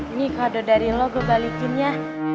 ini kado dari lo gue balikin ya